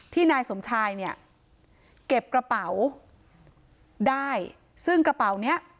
นายสมชายเนี่ยเก็บกระเป๋าได้ซึ่งกระเป๋าเนี้ย